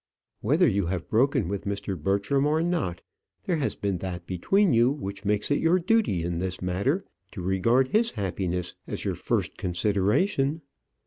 Whether you have broken with Mr. Bertram or not, there has been that between you which makes it your duty in this matter to regard his happiness as your first consideration.